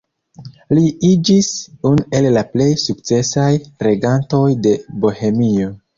Li iĝis unu el la plej sukcesaj regantoj de Bohemio.